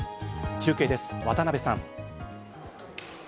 中継です、渡邊さん。